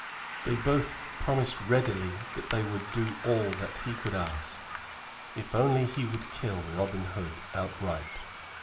They both promised readily that they would do all that he could ask if only he would kill Robin Hood outright.